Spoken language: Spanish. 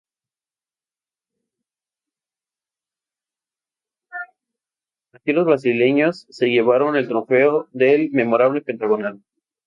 Así los brasileños se llevaron el trofeo del memorable Pentagonal.